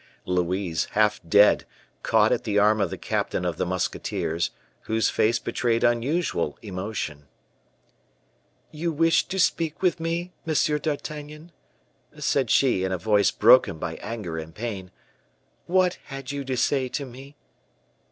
Louise, half dead, caught at the arm of the captain of the musketeers, whose face betrayed unusual emotion. "You wished to speak with me, Monsieur d'Artagnan," said she, in a voice broken by anger and pain. "What had you to say to me?"